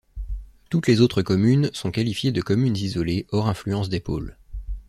Toutes les autres communes sont qualifiées de communes isolées hors influence des pôles.